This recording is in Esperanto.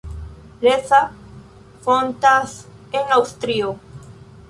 Leitha fontas en Aŭstrio.